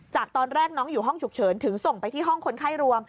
จากตอนแรกน้องอยู่ห้องฉุกเฉินถึงส่งไปที่ห้องคนไข้รวม